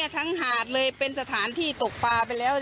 ทั้งหาดเลยเป็นสถานที่ตกปลาไปแล้ว